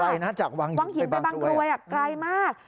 ไกลน่ะจากวังหินวังหินไปบางกลวยอ่ะไกลมาก